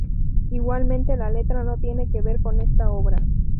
Igualmente, la letra no tiene que ver con esta obra.